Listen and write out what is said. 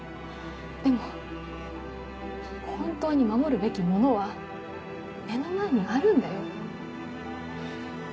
でも本当に守るべきものは目の前にあるんだよ。